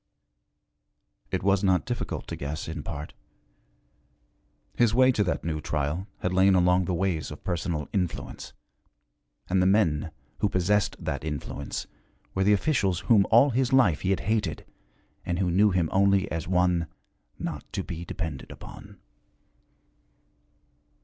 It was not difficult to guess, in part. His way to that new trial had lain along the ways of personal influence, and the men who possessed that influence were the officials whom all his life he had hated and who knew him only as one 'not to be depended upon.'